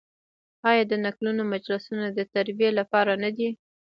آیا د نکلونو مجلسونه د تربیې لپاره نه دي؟